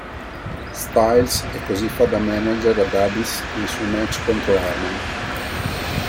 Styles e così fa da manager ad Abyss nel suo match contro Herman.